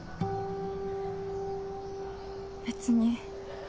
別に